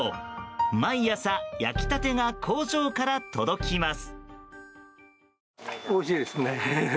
毎朝、焼き立てが工場から届きます。